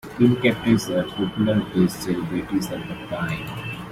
Team captains were popular based celebrities of the time.